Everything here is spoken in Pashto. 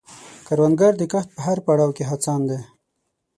کروندګر د کښت په هر پړاو کې هڅاند دی